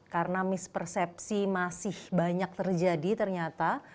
karena mispersepsi masih banyak terjadi ternyata